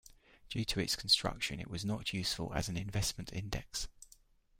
Due to its construction it was not useful as an investment index.